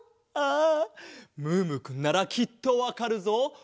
ああムームーくんならきっとわかるぞ。